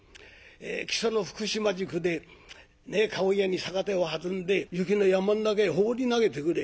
木曽の福島宿で駕籠屋に酒手をはずんで「雪の山ん中へ放り投げてくれ」。